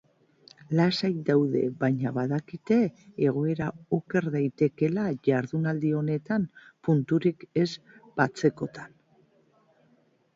Lasai daude, baina badakite egoera oker daitekeela jardunaldi honetan punturik ez batzekotan.